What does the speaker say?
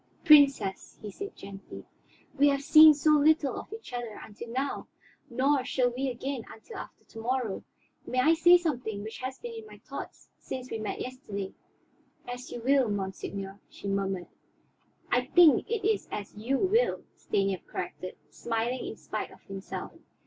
"Princess," he said gently, "we have seen so little of each other until now, nor shall we again until after to morrow. May I say something which has been in my thoughts since we met yesterday?" "As you will, monseigneur," she murmured. "I think it is as you will," Stanief corrected, smiling in spite of himself.